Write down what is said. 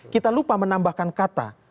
kita lupa menambahkan kata